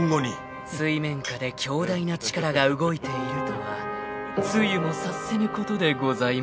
［水面下で強大な力が動いているとは露も察せぬことでございましょう］